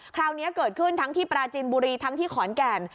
คราวนี้เกิดขึ้นทั้งที่ปราจินบุรีทั้งที่ขอนแก่น